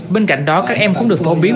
bên cạnh đó các em cũng được phổ biến